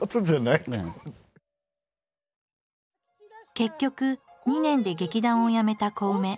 結局２年で劇団をやめたコウメ。